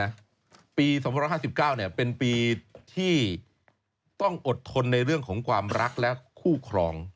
ปี๒๕๙เป็นปีที่ต้องอดทนในเรื่องของความรักและคู่ครอง